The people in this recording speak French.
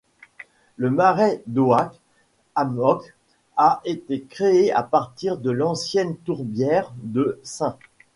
Le marais d'Oak Hammock a été créé à partir de l'ancienne tourbière de St.